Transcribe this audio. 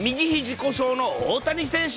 故障の大谷選手。